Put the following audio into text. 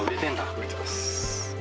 売れてます。